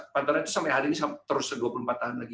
pantaran itu sampai hari ini terus dua puluh empat tahun lagi